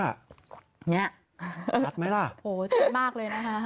นี่ชัดไหมล่ะโอ้โฮชัดมากเลยนะครับโอ้โฮ